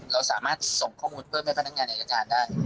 เราสามารถส่งข้อมูลเพิ่มให้พนักงานอายการได้